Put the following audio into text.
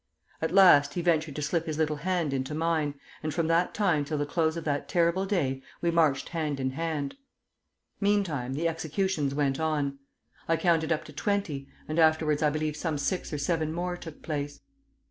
At last he ventured to slip his little hand into mine, and from that time till the close of that terrible day we marched hand in hand. Meantime the executions went on. I counted up to twenty, and afterwards I believe some six or seven more took place.